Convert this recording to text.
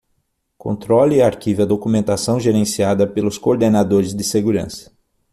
Controle e arquive a documentação gerenciada pelos coordenadores de segurança.